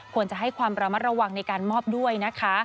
ควรจะให้ความระมัดระวังในการมอบด้วยนะคะ